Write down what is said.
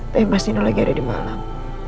tapi mas nino lagi ada di malam